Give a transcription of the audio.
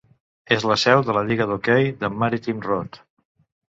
És la seu de la lliga d'hoquei de Maritime Road.